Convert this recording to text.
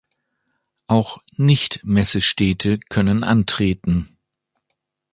Auch Nicht-Messestädte können antreten.